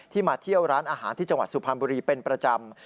มาเที่ยวร้านอาหารที่จังหวัดสุพรรณบุรีเป็นประจำ